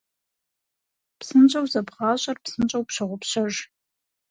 Псынщӏэу зэбгъащӏэр псынщӏэу пщогъупщэж.